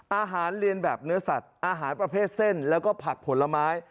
อาหารเรียนแบบเนื้อสัตว์อาหารประเภทเส้นแล้วก็ผักผลไม้